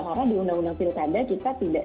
karena di undang undang pirtada kita tidak